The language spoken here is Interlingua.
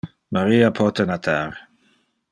Maria pote natar.